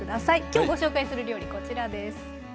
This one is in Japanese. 今日ご紹介する料理こちらです。